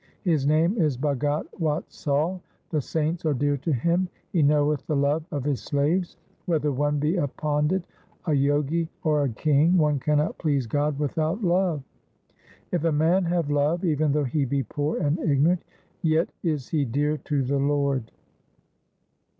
His name is Bhagat Watsal — the saints are dear to Him — He knoweth the love of His slaves. Whether one be a pandit, a jogi, or a king, one cannot please God without love. If a man have love, even though he be poor and ignorant, yet is he dear to the Lord.'